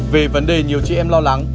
về vấn đề nhiều chị em lo lắng